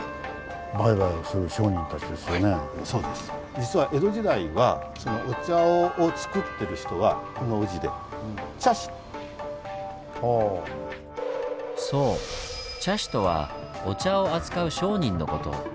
実は江戸時代はお茶をつくってる人はこの宇治でそう「茶師」とはお茶を扱う商人の事。